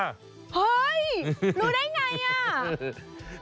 เฮ้ยรู้ได้ไงอ่ะ